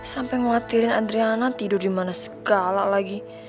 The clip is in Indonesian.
sampai nguatirin adriana tidur di mana segala lagi